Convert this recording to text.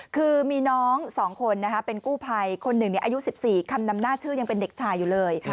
คือมีน้อง๒คนเป็นกู้ภัยคนหนึ่งอายุ๑๔คำนำหน้าชื่อยังเป็นเด็กชายอยู่เลย